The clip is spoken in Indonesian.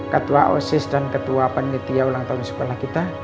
ketua osses dan ketua panditia ulang tahun sekolah kita